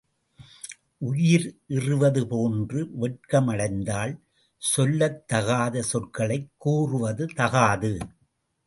உயிர் இறுவது போன்று வெட்கம் அடைந்தாள் சொல்லத்தகாத சொற்களைக் கூறுவது தகாது.